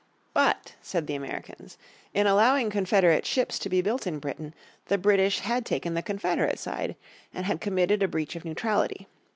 But, said the Americans, in allowing Confederate ships to be built in Britain, the British had taken the Confederate side, and had committed a breach of neutrality.